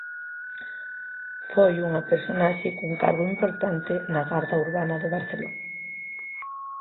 Foi unha personaxe cun cargo importante na Garda Urbana de Barcelona.